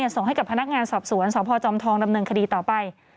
ส่งให้กับพนักงานสอบสวนสพจอมทองดำเนินคดีต่อไป